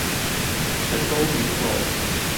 成功與否